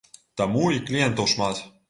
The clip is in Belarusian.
Таму і кліентаў шмат.